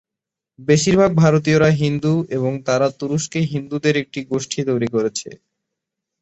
বেশিরভাগ ভারতীয়রা হিন্দু এবং তারা তুরস্কে হিন্দুদের একটি গোষ্ঠী তৈরি করেছে।